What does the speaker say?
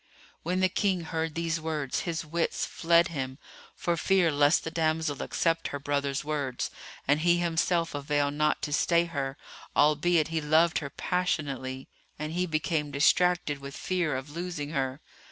When the King heard these words, his wits fled him for fear lest the damsel accept her brother's words and he himself avail not to stay her, albeit he loved her passionately, and he became distracted with fear of losing her.